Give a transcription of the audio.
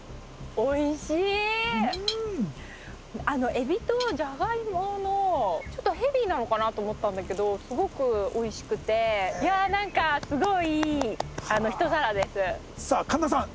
おいしいエビとジャガイモのちょっとヘビーなのかなと思ったんだけどすごくおいしくていやーなんかすごいいい一皿ですさあ神田さん